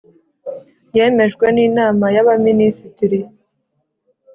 yemejwe n Inama y Abaminisitiri